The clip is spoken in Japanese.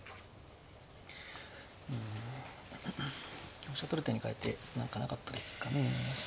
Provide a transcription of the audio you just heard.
香車取る手にかえて何かなかったですかね。